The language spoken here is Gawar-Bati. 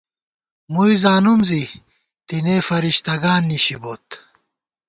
مُوئی زانُم زی، تېنے فرِشتہ گان نِشِبوت